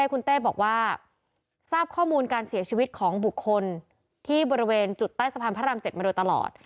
คุณเต้บอกว่าทราบข้อมูลการเสียชีวิตของบุคคลที่บริเวณจุดใต้สะพานพระราม๗มาโดยตลอด